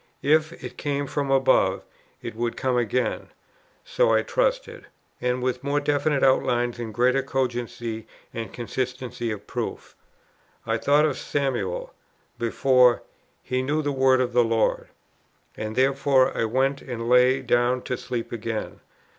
If it came from above, it would come again; so I trusted, and with more definite outlines and greater cogency and consistency of proof. I thought of Samuel, before "he knew the word of the Lord;" and therefore I went, and lay down to sleep again.